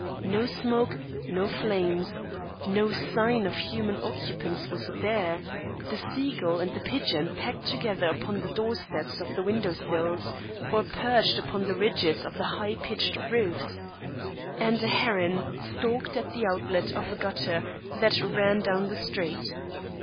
No smoke, no flames, no sign of human occupance was there: the sea gull and the pigeon pecked together upon the door steps or the window sills, or perched upon the ridges of the high pitched roofs, and a heron stalked at the outlet of a gutter that ran down the street.